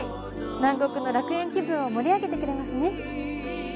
南国の楽園気分を盛り上げてくれますね。